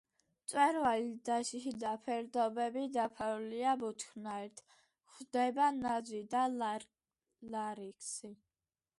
მწვერვალი და შიდა ფერდობები დაფარულია ბუჩქნარით, გვხვდება ნაძვი და ლარიქსი.